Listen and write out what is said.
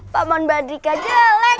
paman bandika jelek